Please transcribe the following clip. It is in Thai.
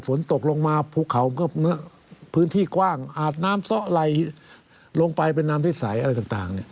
ฝนตกลงมาภูเขาพื้นที่กว้างอาบน้ำซะไหลลงไปเป็นน้ำได้ใสอะไรต่าง